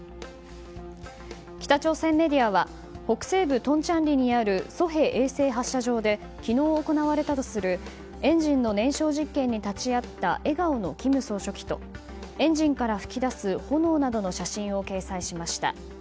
北朝鮮メディアは北西部トンチャンリにあるソヘ衛星発射場で昨日行われたとするエンジンの燃焼実験に立ち会った笑顔の金総書記とエンジンから噴き出す炎などの写真を掲載しました。